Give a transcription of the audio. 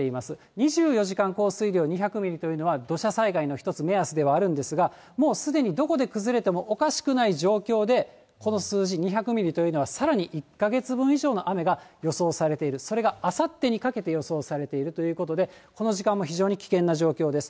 ２４時間降水量２００ミリというのは、土砂災害の一つ目安ではあるんですが、もうすでにどこで崩れてもおかしくない状況で、この数字、２００ミリというのは、さらに１か月分以上の雨が予想されている、それがあさってにかけて予想されているということで、この時間も非常に危険な状況です。